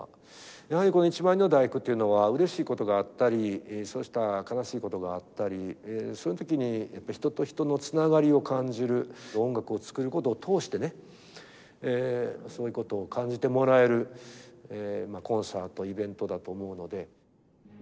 やはりこの「１万人の第九」というのはうれしいことがあったりそうした悲しいことがあったりそういう時に人と人のつながりを感じる音楽を作ることを通してねそういうことを感じてもらえるコンサートイベントだと思うので。